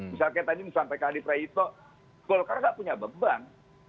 misalnya tadi menyebutkan adi prey itu kalau mereka tidak punya beban